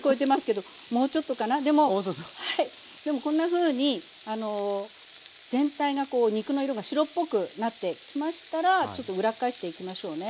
でもこんなふうに全体がこう肉の色が白っぽくなってきましたらちょっと裏返していきましょうね。